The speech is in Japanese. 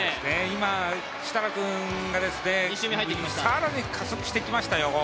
今、設楽君が更に加速してきましたよ。